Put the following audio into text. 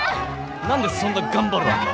何でそんな頑張るわけ？